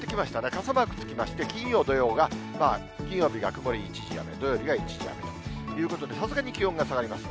傘マークつきまして、金曜、土曜が、金曜日が曇り一時雨、土曜日が一時雨ということで、さすがに気温が下がります。